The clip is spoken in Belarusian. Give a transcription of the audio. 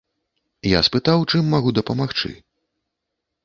Я спытаў, чым магу дапамагчы.